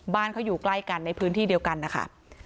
บ้านเขาอยู่ใกล้กันในพื้นที่เดียวกันนะคะ